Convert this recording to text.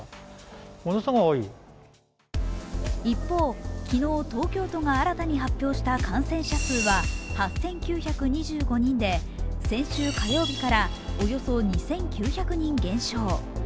一方、昨日東京都が新たに発表した感染者数は８９２５人で先週火曜日からおよそ２９００人減少。